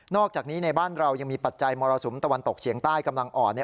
อกจากนี้ในบ้านเรายังมีปัจจัยมรสุมตะวันตกเฉียงใต้กำลังอ่อน